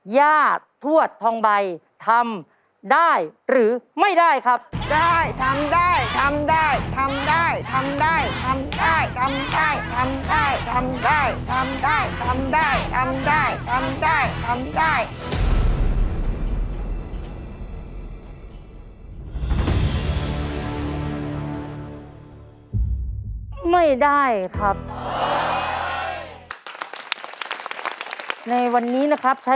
ยากทวดทองใบทำได้หรือไม่ได้ครับ